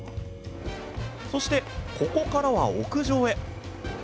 そしてここからは屋上へ。